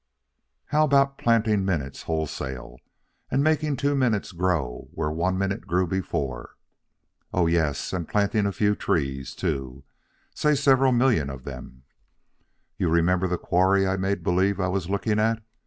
How about planting minutes wholesale, and making two minutes grow where one minute grew before? Oh, yes, and planting a few trees, too say several million of them. You remember the quarry I made believe I was looking at?